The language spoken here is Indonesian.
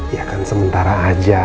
ya kan sementara aja